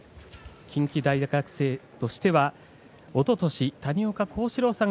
近畿大学の学生としてはおととしの谷岡倖志郎さん